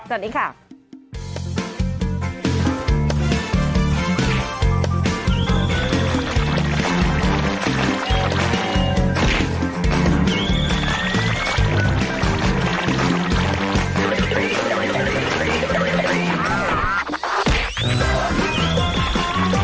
ซื้อให้มันต้องมีในกล่องไว้ล่ะ